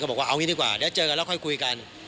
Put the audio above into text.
บอกว่าเอางี้ดีกว่าเดี๋ยวเจอกันแล้วค่อยคุยกัน